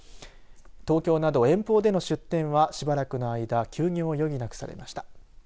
東京など遠方での出店はしばらくの間休業を余儀なくされました。